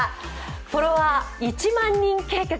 フォロワー１００００人計画」。